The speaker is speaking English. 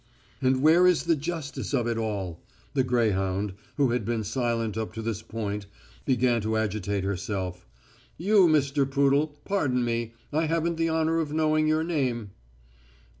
"And where is the justice of it all?" the greyhound, who had been silent up to this point, began to agitate herself "You, Mr. Poodle, pardon me, I haven't the honour of knowing your name."